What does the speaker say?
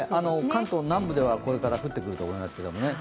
関東南部ではこれから降ってくると思いますけどね。